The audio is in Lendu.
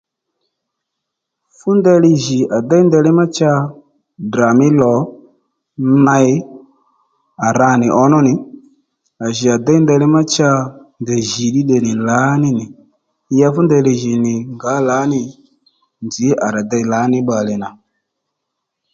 Fú ndeyli jì à déy ndeyli má cha Ddrà mí lò ney à ra nì ǒnó nì à jì à déy ndeyli má cha ndèy jì ddí tde nì lǎní nì ya fú ndeylí jì nì ngǎ lǎnî nzǐ à rà dey lǎní bbalè nà